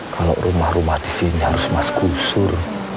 kalau rumah rumah disini harus mas kusur